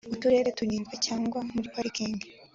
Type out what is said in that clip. uturere turinzwe cyangwa muri pariki